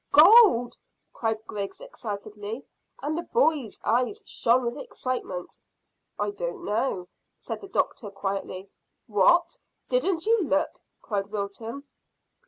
"Gold!" cried Griggs excitedly, and the boys' eyes shone with excitement. "I don't know," said the doctor quietly. "What, didn't you look?" cried Wilton.